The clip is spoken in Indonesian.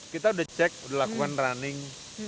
kita udah cek udah lakukan running